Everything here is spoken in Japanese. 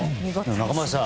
中林さん